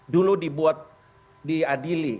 dulu dibuat diadili